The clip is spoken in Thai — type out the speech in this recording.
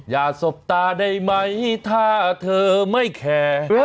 อย่าสบตาได้ไหมถ้าเธอไม่แคร์